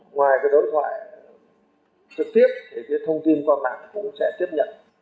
ngoài đối thoại trực tiếp thì thông tin qua mạng cũng sẽ tiếp nhận